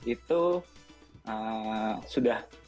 itu sudah ada